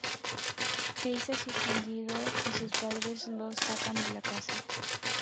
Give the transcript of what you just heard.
Chris es suspendido y sus padres lo sacan de la casa.